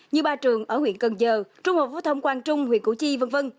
như ba trường ở huyện cần giờ trung học phổ thông quang trung huyện củ chi v v